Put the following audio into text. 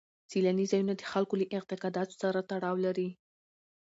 سیلاني ځایونه د خلکو له اعتقاداتو سره تړاو لري.